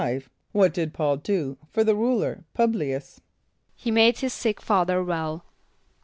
= What did P[a:]ul do for the ruler P[)u]b´l[)i] [)u]s? =He made his sick father well.